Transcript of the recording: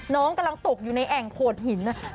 น้องกำลังตกอยู่ในแอ่งโขดหิน